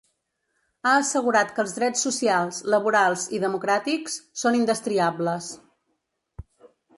Ha assegurat que els drets socials, laborals i democràtics són indestriables.